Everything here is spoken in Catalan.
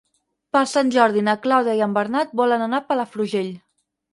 Per Sant Jordi na Clàudia i en Bernat volen anar a Palafrugell.